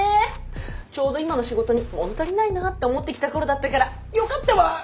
ちょうど今の仕事に物足りないなって思ってきた頃だったからよかったわ！